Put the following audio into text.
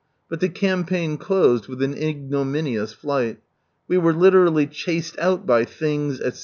But the campaign closed with an ignominious flight. We were literally chased out by " things," etc.